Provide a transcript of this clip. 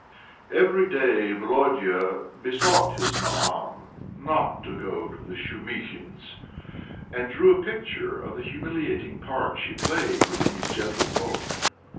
Every day Volodya besought his maman not to go to the Shumihins', and drew a picture of the humiliating part she played with these gentlefolk.